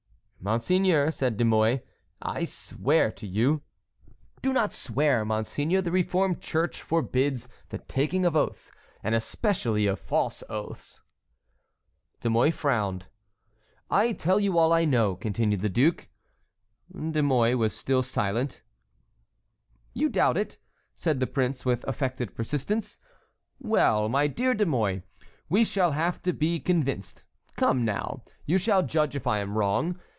"Monseigneur," said De Mouy, "I swear to you"— "Do not swear, monseigneur; the reformed church forbids the taking of oaths, and especially of false oaths." De Mouy frowned. "I tell you I know all," continued the duke. De Mouy was still silent. "You doubt it?" said the prince with affected persistence. "Well, my dear De Mouy, we shall have to be convinced. Come, now, you shall judge if I am wrong.